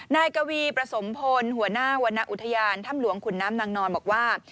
นายกวีประสมพลหัวหน้าวรรณอุทยานถ้ำหลวงขุนน้ำนางนอนบอกว่า